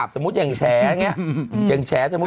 สมมุติอย่างแฉ